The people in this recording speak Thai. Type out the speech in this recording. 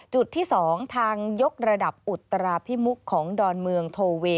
จุดที่๒ทางยกระดับอุตราพิมุกของดอนเมืองโทเว